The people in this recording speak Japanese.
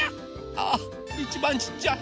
ああいちばんちっちゃい。